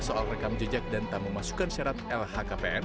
soal rekam jejak dan tak memasukkan syarat lhkpn